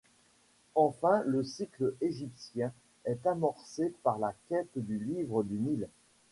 Enfin le cycle Égyptien est amorcé par la quête du livre du Nil.